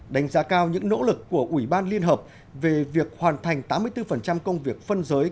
đánh giá cao những nỗ lực của ủy ban liên hợp về việc hoàn thành tám mươi bốn công việc phân giới